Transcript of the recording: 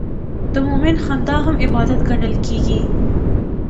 د مؤمن خندا هم عبادت ګڼل کېږي.